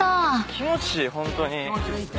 気持ちいいホントに。